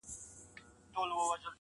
په خيال كي ستا سره ياري كومه.